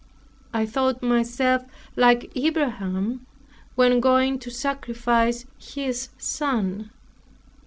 I thought myself like Abraham, when going to sacrifice his son.